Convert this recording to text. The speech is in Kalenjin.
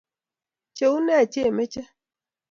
cheune chimeche